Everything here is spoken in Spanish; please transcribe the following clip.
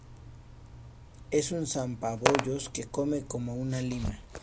Es un zampabollos que come como una lima